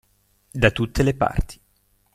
Da tutte le parti.